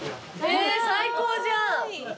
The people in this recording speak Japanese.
え最高じゃん。